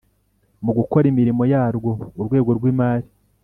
Mu gukora imirimo yarwo urwego rw imari